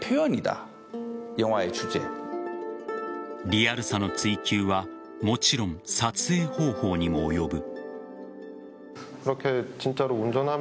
リアルさの追求はもちろん撮影方法にも及ぶ。